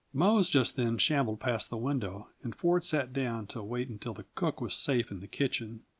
Mose just then shambled past the window, and Ford sat down to wait until the cook was safe in the kitchen.